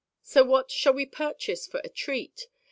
So what shall we purchase for a treat?